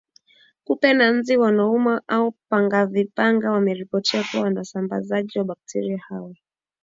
Kupe na nzi wanaouma au pangevipanga wameripotiwa kuwa wasambazaji wa bakteria hawa